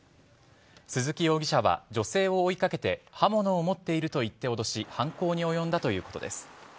鈴木容疑者は女性を追いかけて刃物を持っていると言って脅し犯行に及んだということです。